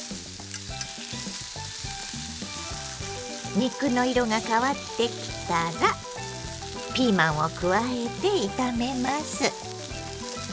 肉の色が変わってきたらピーマンを加えて炒めます。